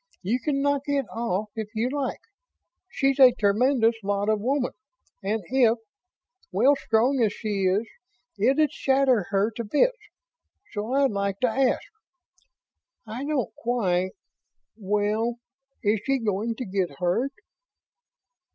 You can knock it off if you like. She's a tremendous lot of woman, and if ... well, strong as she is, it'd shatter her to bits. So, I'd like to ask ... I don't quite ... well, is she going to get hurt?"